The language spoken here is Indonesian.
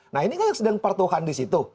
nah ini kan yang sedang partohan di situ